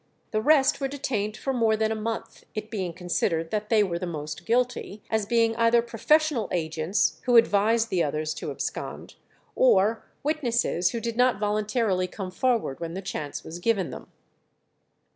The rest were detained for more than a month, it being considered that they were the most guilty, as being either professional agents, who advised the others to abscond, or witnesses who did not voluntarily come forward when the chance was given them.